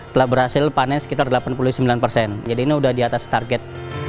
telah berhasil panen sekitar delapan puluh sembilan persen jadi ini sudah di atas target